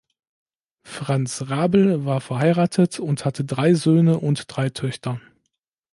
Franz Rabl war verheiratet und hatte drei Söhne und drei Töchter.